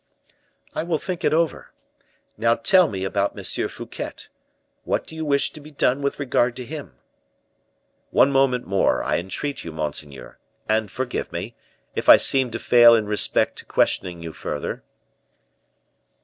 "I will think it over. Now tell me about M. Fouquet; what do you wish to be done with regard to him?" "One moment more, I entreat you, monseigneur; and forgive me, if I seem to fail in respect to questioning you further."